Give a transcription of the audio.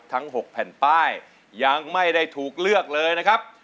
ทั้ง๖แผ่นป้ายยังไม่ได้ถูกเลือกเลยนะครับ